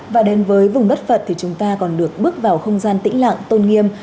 và đến với vùng đất phật thì chúng ta còn được bước vào không gian tĩnh lặng tôn nghiêm